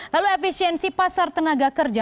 lalu efisiensi pasar tenaga kerja